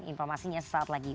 informasinya saat lagi